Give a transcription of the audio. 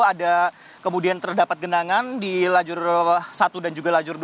ada kemudian terdapat genangan di lajur satu dan juga lajur dua